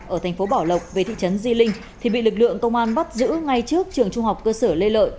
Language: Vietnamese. ở thành phố bảo lộc về thị trấn di linh thì bị lực lượng công an bắt giữ ngay trước trường trung học cơ sở lê lợi